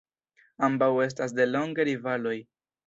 Ambaŭ estas delonge rivaloj.